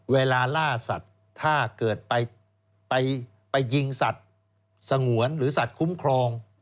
เวลาล่าสัตว์ถ้าเกิดไปยิงสัตว์สงวนหรือสัตว์คุ้มครอง